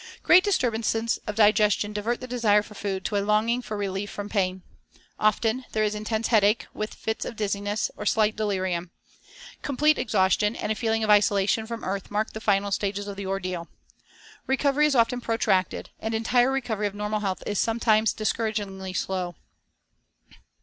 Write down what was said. Great disturbances of digestion divert the desire for food to a longing for relief from pain. Often there is intense headache, with fits of dizziness, or slight delirium. Complete exhaustion and a feeling of isolation from earth mark the final stages of the ordeal. Recovery is often protracted, and entire recovery of normal health is sometimes discouragingly slow.